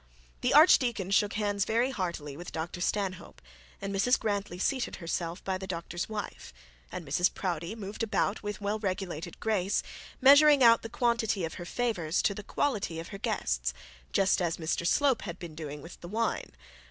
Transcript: The archdeacon shook hands very heartily with Dr Stanhope, and Mrs Grantly seated herself by the doctor's wife. And Mrs Proudie moved about with well regulated grace, measuring out the quantity of her favours to the quality of her guests, just as Mr Slope had been doing with the wine.